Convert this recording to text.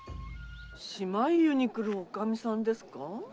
仕舞湯に来るおかみさんですか？